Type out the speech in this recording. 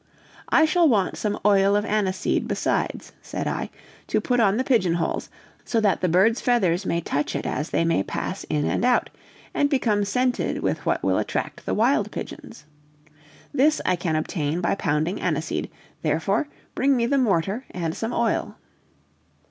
"I shall want some oil of aniseed besides," said I, "to put on the pigeon holes, so that the birds' feathers may touch it as they may pass in and out, and become scented with what will attract the wild pigeons. This I can obtain by pounding aniseed; therefore, bring me the mortar and some oil."